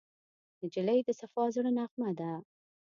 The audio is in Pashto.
نجلۍ د صفا زړه نغمه ده.